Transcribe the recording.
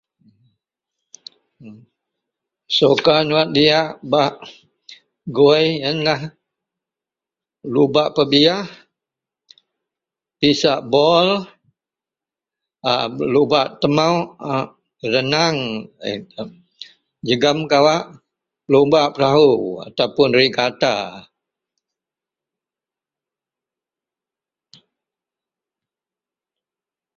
sukan wak diyak bak gui ienlah lubak pebeiah, pisak bol a belubak temok a renang la e jegum kawak lubak perahu ataupun regata